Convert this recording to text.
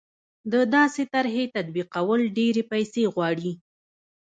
د داسې طرحې تطبیقول ډېرې پیسې غواړي.